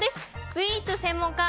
スイーツ専門家